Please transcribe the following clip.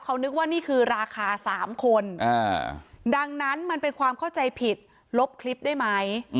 เขานึกว่านี่คือราคา๓คนดังนั้นมันเป็นความเข้าใจผิดลบคลิปได้ไหม